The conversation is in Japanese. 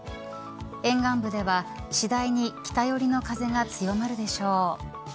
沿岸部では次第に北寄りの風が強まるでしょう。